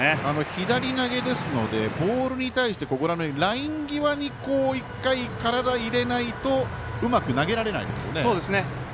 左投げですのでボールに対してライン際に１回体を入れないとうまく投げられないんですよね。